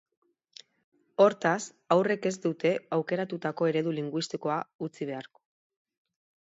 Hortaz, haurrek ez dute aukeratutako eredu linguistikoa utzi beharko.